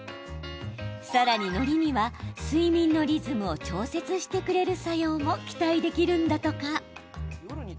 さらに、のりには睡眠のリズムを調節してくれる作用も期待できるんだとか。